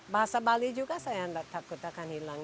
bahasa bali juga saya tidak takut akan hilang